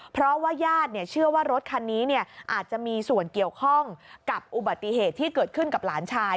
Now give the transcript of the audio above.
เพราะว่าญาติเชื่อว่ารถคันนี้อาจจะมีส่วนเกี่ยวข้องกับอุบัติเหตุที่เกิดขึ้นกับหลานชาย